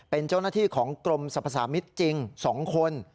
เป็นเจ้านักที่ของกรมสรรพสามิทจริงสองคน